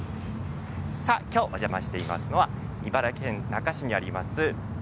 今日、お邪魔していますのは茨城県那珂市にあります